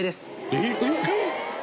えっ！